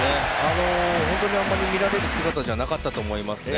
あまり見られる姿じゃなかったと思いますね。